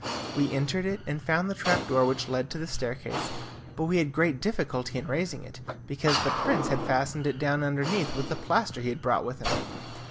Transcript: We entered it, and found the trap door which led to the staircase, but we had great difficulty in raising it, because the prince had fastened it down underneath with the plaster he had brought with him.